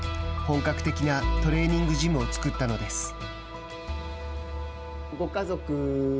本格的なトレーニングジムを作ったのです。